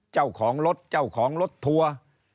เจ้าของรถเจ้าของรถทัวร์